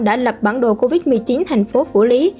đã lập bản đồ covid một mươi chín thành phố phủ lý